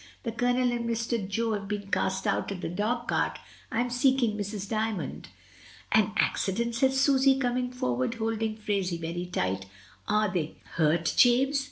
The Colonel and Mr. Jo have been cast out of t' dog cart. I am seek ing Mrs. D)rmond." "An accident!" said Susy, coming forward, hold ing Phraisie very tight "Are they hurt, James?